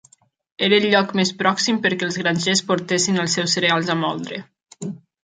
Era el lloc més pròxim perquè els grangers portessin els seus cereals a moldre.